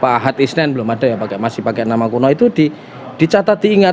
ahad isnen belum ada ya masih pakai nama kuno itu dicatat diingat